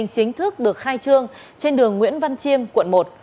chính thức được khai trương trên đường nguyễn văn chiêm quận một